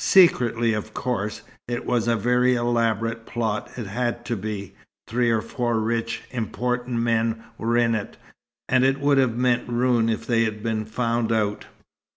Secretly, of course. It was a very elaborate plot it had to be. Three or four rich, important men were in it, and it would have meant ruin if they'd been found out.